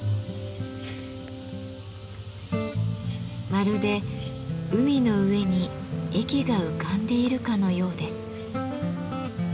まるで海の上に駅が浮かんでいるかのようです。